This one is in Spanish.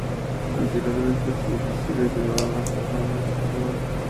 Anteriormente este noticiero llevaba por nombre El informador.